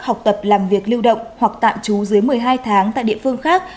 học tập làm việc lưu động hoặc tạm trú dưới một mươi hai tháng tại địa phương khác